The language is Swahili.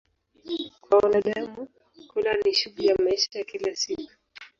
Kwa wanadamu, kula ni shughuli ya maisha ya kila siku.